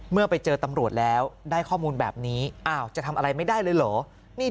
เมื่อไปเจอตำรวจแล้วได้ข้อมูลแบบนี้อ้าวจะทำอะไรไม่ได้เลยเหรอ